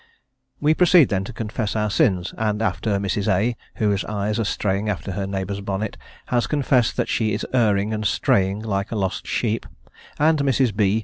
We proceed, then, to confess our sins, and after Mrs. A., whose eyes are straying after her neighbour's bonnet, has confessed that she is erring and straying like a lost sheep, and Mrs. B.